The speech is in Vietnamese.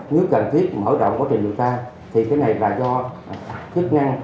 nếu cần thiết mở rộng quá trình điều tra thì cái này là do chức năng